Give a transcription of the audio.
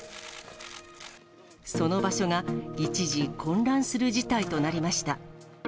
その場所が一時、混乱する事態となりました。